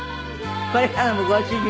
これからもご主人